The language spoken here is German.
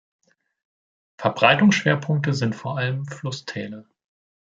Verbreitungsschwerpunkte sind vor allem Flusstäler.